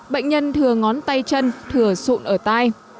bệnh nhân thừa ngón tay chân thừa sụn ở tay